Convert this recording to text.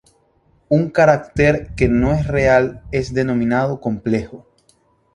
Un carácter que no es real es denominado complejo.